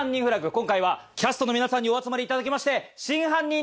今回はキャストの皆さんにお集まりいただきまして。